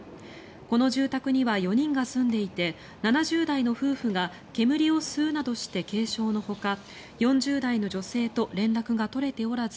この住宅には４人が住んでいて７０代の夫婦が煙を吸うなどして軽傷のほか４０代の女性と連絡が取れておらず